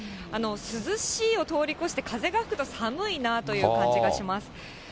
涼しいを通り越して、風が吹くと寒いなという感じがします。